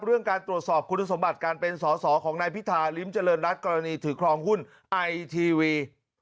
เรื่องการตรวจสอบคุณสมบัติการเป็นสอสอของนายพิธาริมเจริญรัฐกรณีถือครองหุ้นไอทีวี